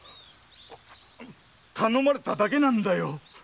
頼まれただけなんだ。